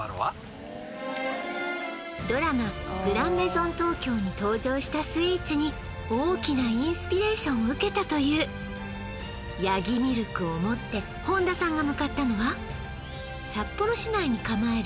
ドラマ「グランメゾン東京」に登場したスイーツに大きなインスピレーションを受けたというヤギミルクを持って本田さんが向かったのは札幌市内に構える